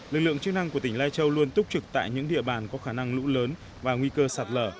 lực lượng chức năng của tỉnh lai châu luôn túc trực tại những địa bàn có khả năng lũ lớn và nguy cơ sạt lở